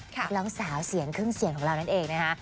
นักร้องสาวเสียงเครื่องเสียงของเรานั่นเองนะคะ